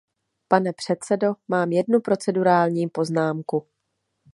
Pane předsedo, mám jednu procedurální poznámku.